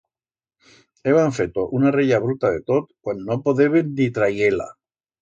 Heba feto una rella bruta de tot, cuasi no podeben ni trayer-la.